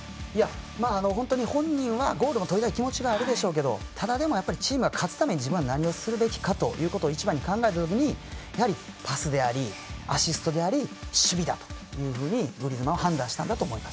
本人はゴールをとりたい気持ちはあるでしょうけどただ、でもチームが勝つために自分は何をするべきかということ一番に考えたときに、パスでありアシストであり守備だというふうにグリーズマンは判断したんだと思います。